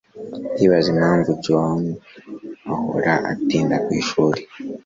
ndibaza impamvu john ahora atinda kwishuri